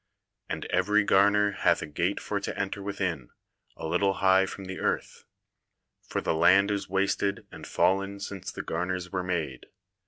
And every garner hath a gate for to enter within, a little high from the earth; for the land is wasted and fallen since the garners were made.